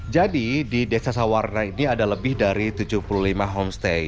jadi di desa sawarna ini ada lebih dari tujuh puluh lima homestay